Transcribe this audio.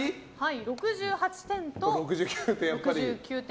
６８点と６９点。